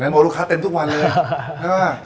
แล้วโหลดลูกค้าเต็มทุกวันเลย